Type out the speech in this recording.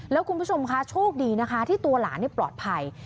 แล้วคุณผู้ชมคะโชคดีนะคะที่ตัวหลานปลอดภัย